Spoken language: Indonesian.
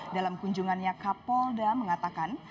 dalam kunjungannya kapolda mengatakan